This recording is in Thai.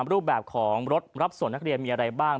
รูปแบบของรถรับส่วนนักเรียนมีอะไรบ้าง